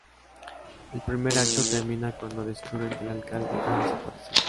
El primer acto termina cuando descubren que el Alcalde ha desaparecido.